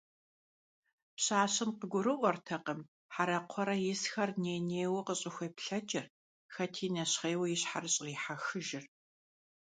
Пщащэм къыгурыӀуэтэкъым Хьэрэ-Кхъуэрэ исхэр ней-нейуэ къыщӀыхуеплъэкӀыр, хэти нэщхъейуэ и щхьэр щӀрихьэхыжыр.